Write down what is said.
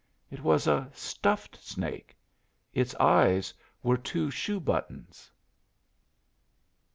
It was a stuffed snake; its eyes were two shoe buttons.